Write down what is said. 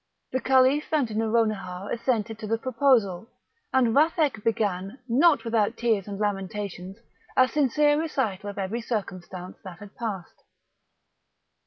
The Caliph and Nouronihar assented to the proposal, and Vathek began, not without tears and lamentations, a sincere recital of every circumstance that had passed.